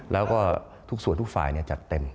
แล้วก็ทุกส่วนทุกฝ่ายจัดเต็ม